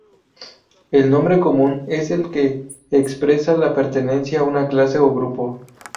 El nombre común es el que expresa la pertenencia a una clase o grupo.